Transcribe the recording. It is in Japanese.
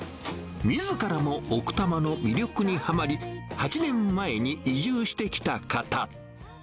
みずからも奥多摩の魅力にはまり、８年前に移住してきた方。